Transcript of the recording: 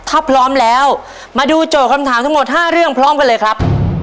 ถ้าพร้อมแล้วมาดูโจทย์คำถามทั้งหมด๕เรื่องพร้อมกันเลยครับ